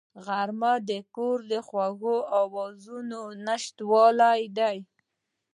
غرمه د کور د خوږو آوازونو نشتوالی دی